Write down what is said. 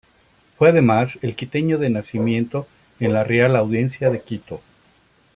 Fue además el quiteño de nacimiento en la Real Audiencia de Quito.